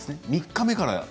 ３日目から。